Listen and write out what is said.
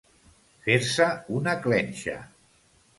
Fer-se una clenxa.